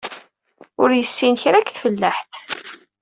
Ur yessin kra deg tfellaḥt.